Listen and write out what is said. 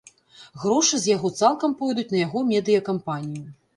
Грошы з яго цалкам пойдуць на яго медыя-кампанію.